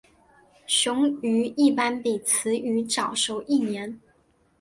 雄鱼一般比雌鱼早熟一年。